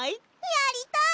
やりたい！